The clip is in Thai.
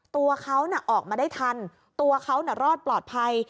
ตัวเขาออกมาได้ทันตัวเขารอดปลอดภัย